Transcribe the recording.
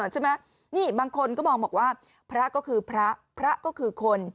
ใช่ไหมนี่บางคนก็มองบอกว่าพระก็คือพระพระก็คือคน